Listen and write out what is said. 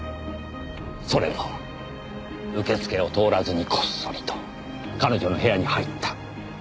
それも受付を通らずにこっそりと彼女の部屋に入った。